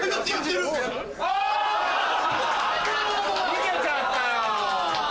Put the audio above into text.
逃げちゃったよ！